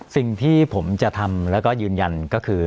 สิ่งที่ผมจะทำแล้วก็ยืนยันก็คือ